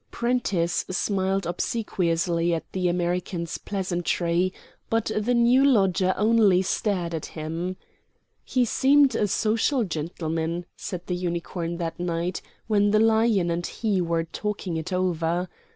Prentiss smiled obsequiously at the American's pleasantry, but the new lodger only stared at him. "He seemed a social gentleman," said the Unicorn, that night, when the Lion and he were talking it over.